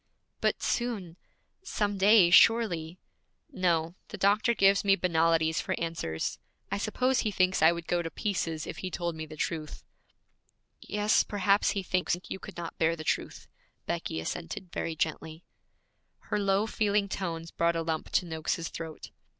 'But soon some day, surely ' 'No. The doctor gives me banalities for answers. I suppose he thinks I would go to pieces if he told me the truth.' 'Yes, perhaps he thinks you could not bear the truth,' Becky assented very gently. Her low, feeling tones brought a lump to Noakes's throat.